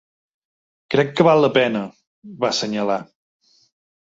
Crec que val la pena, va assenyalar.